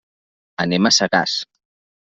Anem a Sagàs.